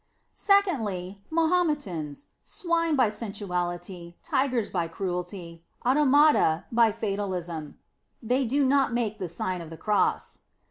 Second, the Mahometans: swine by sensu ality, tigers by cruelty, automata, by fatalism, they do not make the Sign of the Cross.